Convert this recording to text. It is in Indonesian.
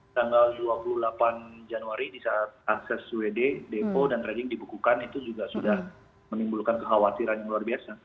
tanggal dua puluh delapan januari di saat akses wd depo dan trading dibukukan itu juga sudah menimbulkan kekhawatiran yang luar biasa